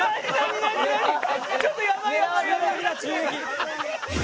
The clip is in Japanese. ちょっとやばいやばい！